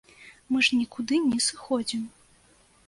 Мы ж нікуды не сыходзім!